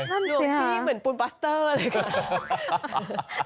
ดูสิพี่เหมือนปูนปัสเตอร์เลยค่ะ